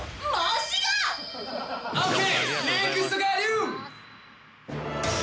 ＯＫ！